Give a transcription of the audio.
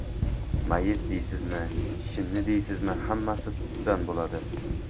Mayiz deysizmi, shinni deysizmi, hammasi tutdan bo‘ladi.